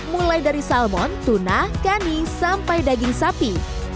mulai dari salmon tuna kani sampai daging sapi